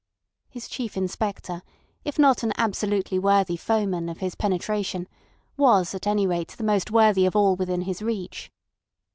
His Chief Inspector, if not an absolutely worthy foeman of his penetration, was at any rate the most worthy of all within his reach.